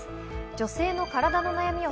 女性の体の悩みを